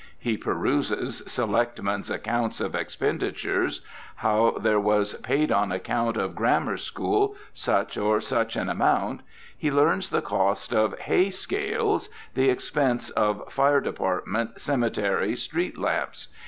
He peruses "Selectman's Accounts" of expenditures, how there was "Paid on account of Grammar School" such or such an amount; he learns the cost of "Hay Scales," the expenses of "Fire Dep't, Cemetery, Street Lamps."